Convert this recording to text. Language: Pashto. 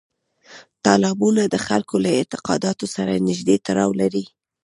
تالابونه د خلکو له اعتقاداتو سره نږدې تړاو لري.